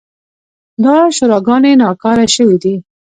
دا شوراګانې ناکاره شوې دي.